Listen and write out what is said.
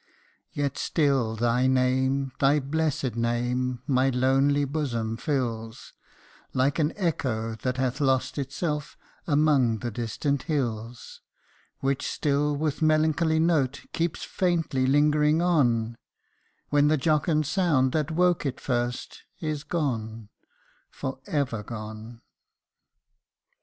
Yet still thy name, thy blessed name, my lonely bosom fills, Like an echo that hath lost itself among the distant hills, Which still, with melancholy note, keeps faintly lingering on, When the jocund sound that woke it first is gone for ever gone.